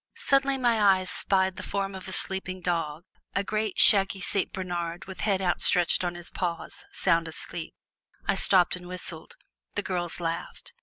Suddenly my eye spied the form of a sleeping dog, a great shaggy Saint Bernard with head outstretched on his paws, sound asleep. I stopped and whistled. The girls laughed.